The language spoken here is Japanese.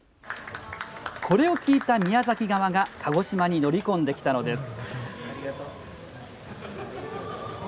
これを聞いた宮崎側が鹿児島に乗り込んできたのです。